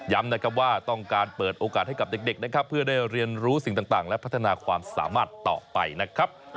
นะครับว่าต้องการเปิดโอกาสให้กับเด็กนะครับเพื่อได้เรียนรู้สิ่งต่างและพัฒนาความสามารถต่อไปนะครับ